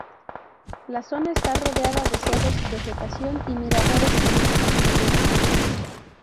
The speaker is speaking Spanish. La zona está rodeada de cerros, vegetación y miradores con vistas increíbles.